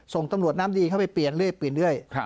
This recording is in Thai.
ส่งตำรวจน้ำดีเข้าไปเปลี่ยนเรื่อย